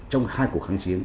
trong hai cuộc kháng chiến